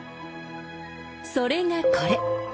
それがこれ。